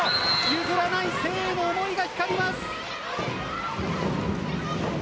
譲らない誠英の思いが光ります。